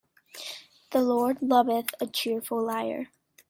The Lord loveth a cheerful liar.